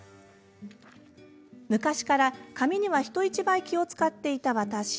昔から髪には人一倍気を遣っていた私。